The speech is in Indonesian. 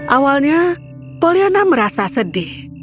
awalnya pollyanna merasa sedih